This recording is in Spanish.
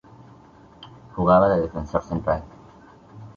Jugaba de defensor central.